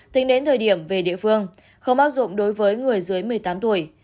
tính đến thời điểm về địa phương không áp dụng đối với người dưới một mươi tám tuổi